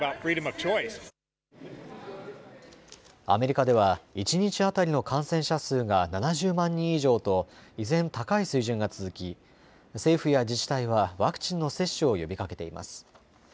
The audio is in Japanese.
アメリカでは一日当たりの感染者数が７０万人以上と依然、高い水準が続き政府や自治体はワクチンの接種を呼びかけています。